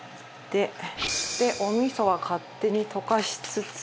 でお味噌は勝手に溶かしつつ。